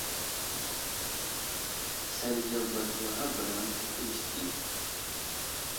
Slali yagwa təwarabəra ənta pəlis ɗi.